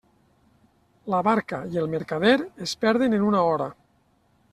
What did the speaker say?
La barca i el mercader es perden en una hora.